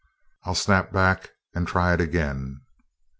I'll snap back and try it again."